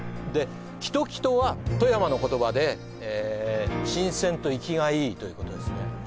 きときとは富山の言葉で新鮮と生きがいいということですね